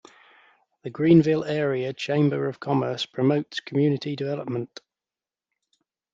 The Greenville Area Chamber of Commerce promotes community development.